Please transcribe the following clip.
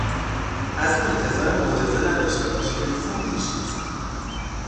از او انتظار معجزه نداشته باش - انسانی بیش نیست!